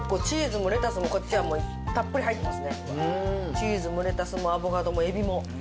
チーズもレタスもアボカドもエビも。